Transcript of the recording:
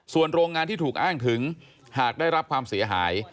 ส่วนโรงงานที่ถูกอ้างถึงหากได้รับความเสียหาย